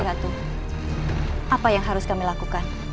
kusti ratu apa yang harus kami lakukan